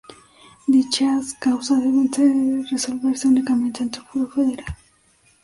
Dichas causa deben resolverse únicamente ante el foro federal.